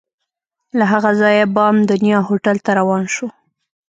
له هغه ځایه بام دنیا هوټل ته روان شوو.